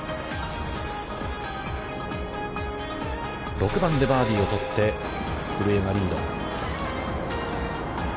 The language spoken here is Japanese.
６番でバーディーをとって古江がリード。